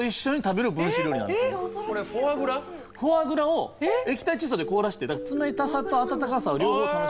フォアグラを液体窒素で凍らせて冷たさと温かさを両方楽しむ。